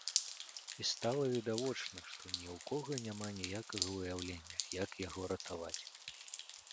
І стала відавочна, што ні ў кога няма ніякага ўяўлення, як яго ратаваць.